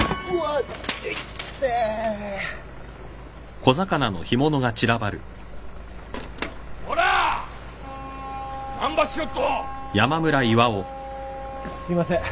あっすいません。